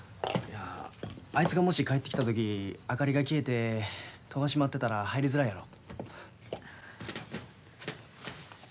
あいつがもし帰ってきた時明かりが消えて戸が閉まってたら入りづらいやろ。